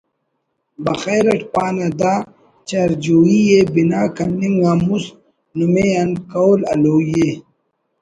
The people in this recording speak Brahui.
بخیر اٹ پانہ دا چرجوئی ءِ بنا کننگ آن مست نمے آن قول ہلوئی ءِ